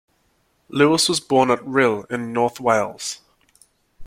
Lewis was born at Rhyl, in North Wales.